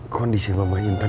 kondisi mamanya intan gimana